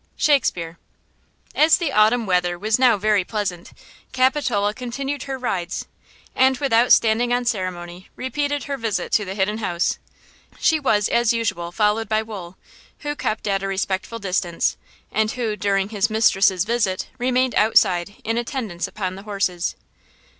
–SHAKESPEARE. AS the autumn weather was now very pleasant, Capitola continued her rides, and, without standing on ceremony, repeated her visit to the Hidden House. She was, as usual, followed by Wool, who kept at a respectful distance, and who, during his mistress' visit, remained outside in attendance upon the horses.